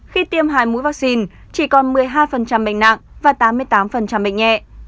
khi tiêm hai mũi vaccine chỉ còn một mươi hai bệnh nặng và tám mươi tám bệnh nhẹ